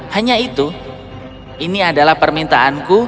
hanya itu ini adalah permintaanku